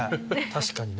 確かにね。